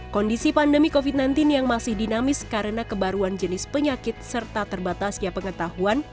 kondisi pandemi covid sembilan belas yang masih dinamis karena kebaruan jenis penyakit serta terbatasnya pengetahuan